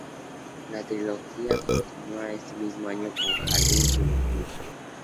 La trilogía continúa este mismo año con "Jardín primitivo".